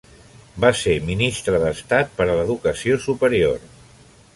Va ser Ministre d'Estat per a l'Educació Superior.